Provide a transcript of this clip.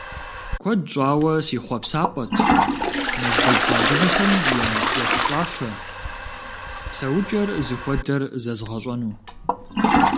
Куэд щӏауэ си хъуэпсапӏэт мэздэгу адыгэхэм я ӏуэхущӏафэ, псэукӏэр зыхуэдэр зэзгъэщӏэну.